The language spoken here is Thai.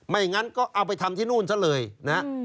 ไม่อย่างนั้นก็เอาไปทำที่นู่นซะเลยนะ